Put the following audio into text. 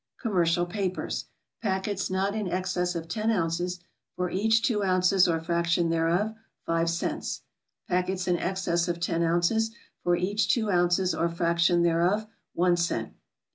Commercial papers: Packets not in excess of ten ounces, for each two ounces or fraction thereof 5 cts. Packets in excess of ten ounces, for each two ounces or fraction thereof 1 ct.